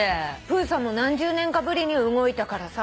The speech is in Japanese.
プーさんも何十年かぶりに動いたからさ